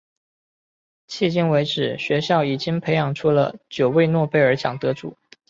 迄今为止学校已经培养出了九位诺贝尔奖得主。